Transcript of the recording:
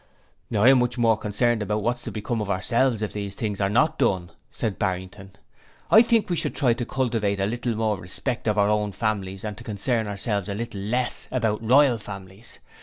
'I am much more concerned about what is to become of ourselves if these things are not done,' replied Barrington. 'I think we should try to cultivate a little more respect of our own families and to concern ourselves a little less about "Royal" Families.